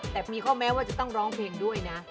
แต่มีข้อแม้ว่าจะต้องร้องเพลงด้วยนะ